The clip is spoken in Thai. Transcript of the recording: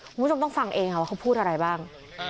คุณผู้ชมต้องฟังเองค่ะว่าเขาพูดอะไรบ้าง